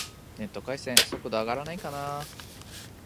ネット回線、速度上がらないかな